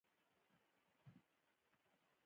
حیوانات سرچینې دي.